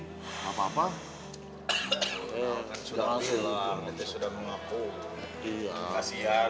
sesama manusia haplu min allah haplu min anas